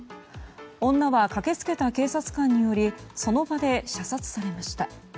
女は駆け付けた警察官によりその場で射殺されました。